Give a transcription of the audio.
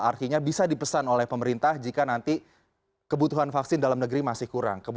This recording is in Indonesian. artinya bisa dipesan oleh pemerintah jika nanti kebutuhan vaksin dalam negeri masih kurang